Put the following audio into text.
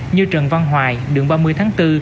như trần văn hoài đường ba mươi tháng bốn